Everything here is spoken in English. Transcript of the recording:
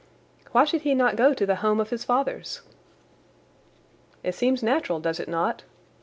"Why should he not go to the home of his fathers?" "It seems natural, does it not?